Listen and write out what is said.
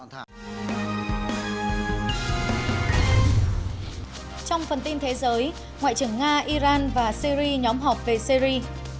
trong phần tin thế giới ngoại trưởng nga iran và syri nhóm họp về syri